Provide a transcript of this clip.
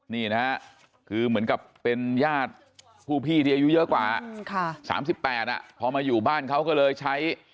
นี่นะฮะคือเหมือนกับเป็นญาติผู้พี่ที่อายุเยอะกว่า๓๘พอมาอยู่บ้านเขาก็เลยใช้